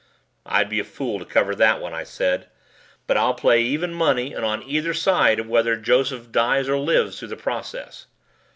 "I'd be a fool to cover that one," I said. "But I'll play even money and on either side of whether Joseph dies or lives through the process."